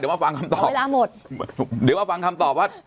เดี๋ยวช่วงหน้ากลับมาฟังคำตอบ